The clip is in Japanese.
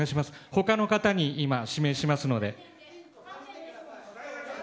他の方に指名しますので。